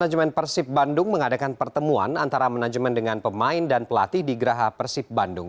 manajemen persib bandung mengadakan pertemuan antara manajemen dengan pemain dan pelatih di geraha persib bandung